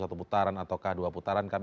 satu putaran ataukah dua putaran kami